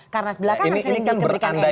karena belakangan selingkir keberikan endorse